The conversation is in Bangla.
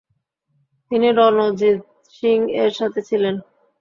তিনি রণজিৎ সিং এর সাথে ছিলেন।